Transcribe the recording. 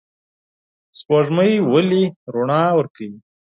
سپوږمۍ ولې رڼا ورکوي؟